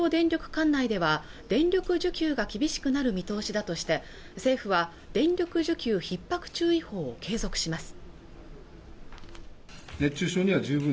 管内では電力需給が厳しくなる見通しだとして政府は電力需給ひっ迫注意報を継続します